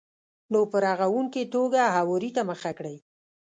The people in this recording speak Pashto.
نو په رغونکې توګه هواري ته مخه کړئ.